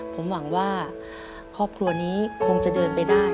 ผมหวังว่าครอบครัวนี้คงจะเดินไปได้